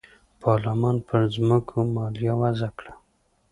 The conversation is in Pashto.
پارلمان پر ځمکو مالیه وضعه کړه.